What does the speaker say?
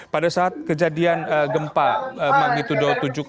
pada saat kejadian gempa manggitudo tujuh apa yang anda lakukan